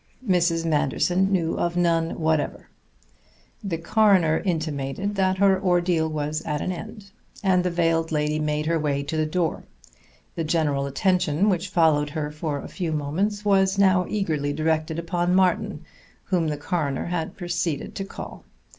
Mrs. Manderson knew of none whatever. The coroner intimated that her ordeal was at an end, and the veiled lady made her way to the door. The general attention, which followed her for a few moments, was now eagerly directed upon Martin, whom the coroner had proceeded to call.